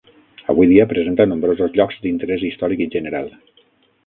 Avui dia, presenta nombrosos llocs d'interès històric i general.